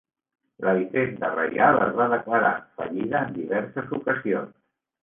La Hisenda Reial es va declarar en fallida en diverses ocasions.